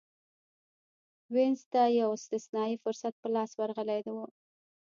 وینز ته یو استثنايي فرصت په لاس ورغلی و.